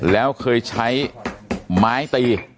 แล้วเคยใช้ไม้ตี